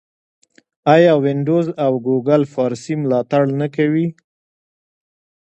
آیا وینډوز او ګوګل فارسي ملاتړ نه کوي؟